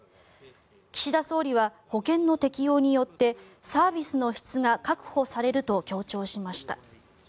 岸田総理は保険の適用によってサービスの質が確保されると強調しました。